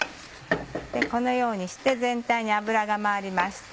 このようにして全体に油が回りました。